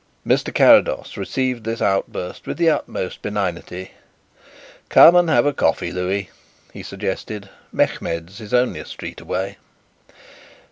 Mr. Carrados received this outburst with the utmost benignity. "Come and have a coffee, Louis," he suggested. "Mehmed's is only a street away."